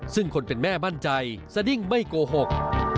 ซึ่งคนเป็นแม่มั่นใจสดิ้งไม่โกหก